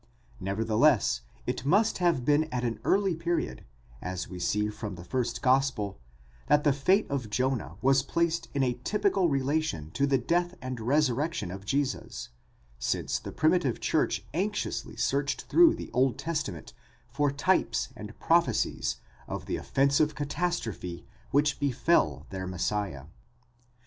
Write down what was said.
Nevertheless, it must have been at an early period, as we see from the first gospel, that the fate of Jonah was placed in a typical relation to the death and resurrection of Jesus, since the primitive church anxiously searched through the Old Testament for types and prophecies of the offensive catastrophe which befel their Messiah.